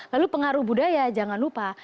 lalu pengaruh budaya jangan lupa